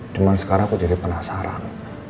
cuma sekarang aku jadi penasaran